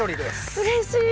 うれしい。